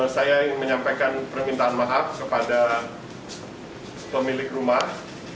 saya ingin menyampaikan permintaan maaf kepada pemilik rumah